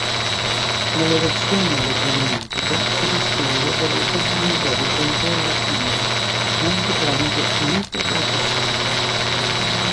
Nella versione elettromagnetica si distingue per la possibilità di controllo fine, anche tramite microprocessore.